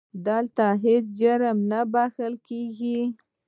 دلته هیڅ جرم نه بښل کېږي.